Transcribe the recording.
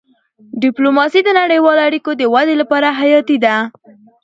ډيپلوماسي د نړیوالو اړیکو د ودي لپاره حیاتي ده.